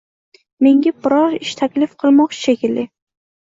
Menga biror ish taklif qilmoqchi shekilli